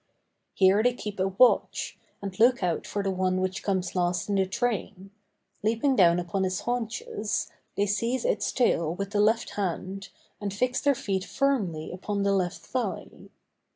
Here they keep a watch, and look out for the one which comes last in the train; leaping down upon its haunches, they seize its tail with the left hand, and fix their feet firmly upon the left thigh.